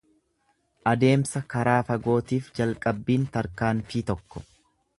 Adeemsa karaa fagootiif jalqabbiin tarkaanfii tokko.